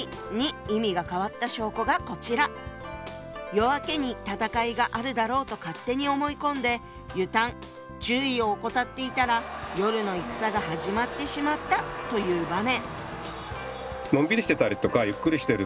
夜明けに戦いがあるだろうと勝手に思い込んで「ゆたむ」注意を怠っていたら夜の戦が始まってしまったという場面。